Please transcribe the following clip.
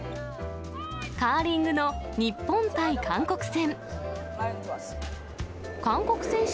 カーリングの日本対韓国戦。